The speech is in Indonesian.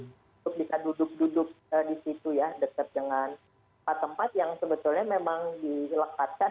untuk bisa duduk duduk di situ ya dekat dengan tempat tempat yang sebetulnya memang dilekatkan